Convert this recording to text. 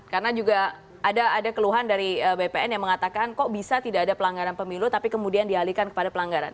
karena juga ada keluhan dari bpn yang mengatakan kok bisa tidak ada pelanggaran pemilu tapi kemudian dialihkan kepada pelanggaran